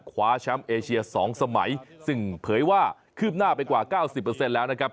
ขวาช้ำเอเชียสองสมัยซึ่งเผยว่าขึ้นหน้าไปกว่า๙๐เปอร์เซ็นต์แล้วนะครับ